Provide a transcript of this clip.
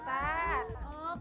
dari rumah bu ustadz